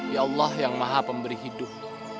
ya allah yang maha pemberi hidup